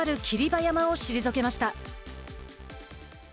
馬山を退けました。